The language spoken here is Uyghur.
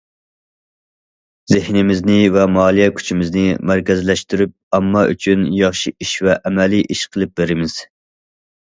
زېھنىمىزنى ۋە مالىيە كۈچىمىزنى مەركەزلەشتۈرۈپ، ئامما ئۈچۈن ياخشى ئىش ۋە ئەمەلىي ئىش قىلىپ بېرىمىز.